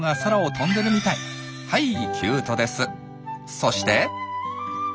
そして。